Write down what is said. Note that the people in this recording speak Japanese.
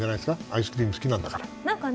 アイスクリーム好きなんだから。